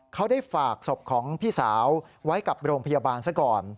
เขาได้ฝากศพของพี่สาวไว้กับโรงพยาบาลซะก่อน